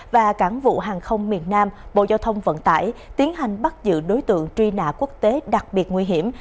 và cảng vụ hàng không miền nam bộ giao thông vận tải tiến hành bắt giữ đối tượng truy nã quốc tế đặc biệt nguy hiểm